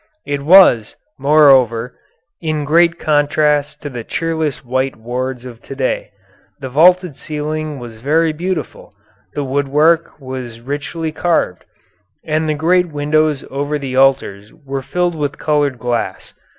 "It was, moreover, in great contrast to the cheerless white wards of to day. The vaulted ceiling was very beautiful; the woodwork was richly carved, and the great windows over the altars were filled with colored glass.